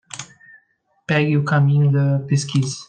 Pegue o caminho da pesquisa